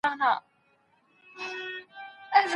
ولي زیارکښ کس د مخکښ سړي په پرتله بریا خپلوي؟